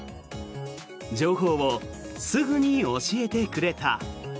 情報をすぐに教えてくれた。